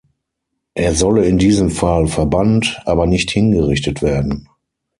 Er solle in diesem Fall verbannt, aber nicht hingerichtet werden.